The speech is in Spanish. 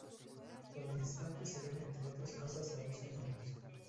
Lo de distante se debe entre otras cosas a dos fenómenos.